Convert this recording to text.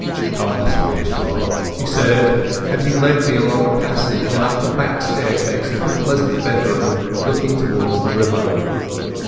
"Come this way, sir," he said, and he led me along a passage and up a back staircase to a pleasant bedroom looking towards the river.